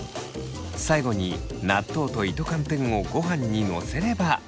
最後に納豆と糸寒天をごはんにのせれば。